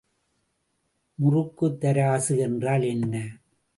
முறுக்குத்தராசு என்றால் என்ன?